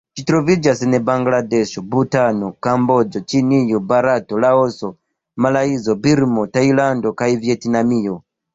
Ĝi troviĝas en Bangladeŝo, Butano, Kamboĝo, Ĉinio, Barato, Laoso, Malajzio, Birmo, Tajlando kaj Vjetnamio.